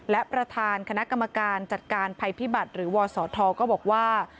และประธานคณะกรรมการจัดการภัยพิบัติหรือวศธก็บอกว่า